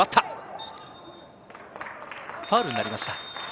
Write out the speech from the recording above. ファウルになりました。